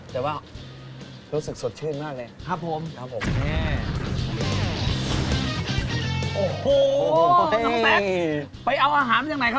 แต่ว่ารสชาติสดชื่นมากเลยครับผมครับผมแห้โอ้โหไปเอาอาหารจากไหนครับ